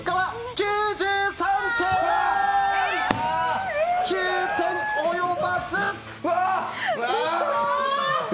９点及ばず！